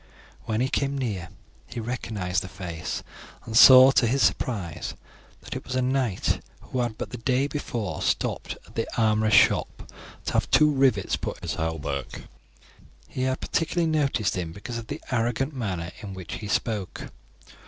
When he came near he recognized the face, and saw, to his surprise, that it was a knight who had but the day before stopped at the armourer's shop to have two rivets put in his hauberk. He had particularly noticed him because of the arrogant manner in which he spoke.